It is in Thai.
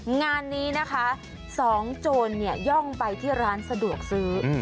งานนี้นะคะสองโจรย่องไปที่ร้านสะดวกซื้อ